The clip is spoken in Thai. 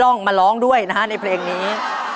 ต้องมาร้องด้วยนะฮะในเพลงนี้